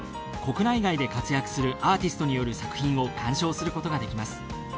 国内外で活躍するアーティストによる作品を鑑賞することができます。